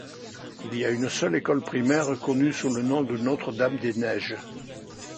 Il y a une seule école primaire connue sous le nom de Notre-Dame-des-Neiges.